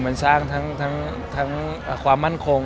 มันสร้างทั้งความมั่นคง